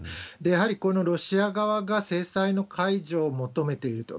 やはりこのロシア側が制裁の解除を求めていると。